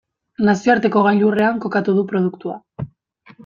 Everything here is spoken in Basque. Nazioarteko gailurrean kokatu du produktua.